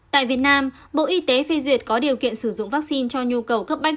tại việt nam bộ y tế phê duyệt có điều kiện sử dụng vaccine cho nhu cầu cấp bách